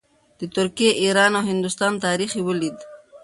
د ترکیې، ایران او هندوستان تاریخ یې ولید.